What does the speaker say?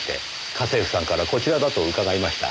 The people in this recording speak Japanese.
家政婦さんからこちらだと伺いました。